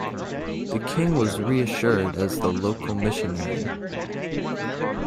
The King was reassured as the local missionary.